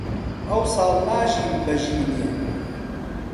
ئەوساڵ ناژیم بە ژینێ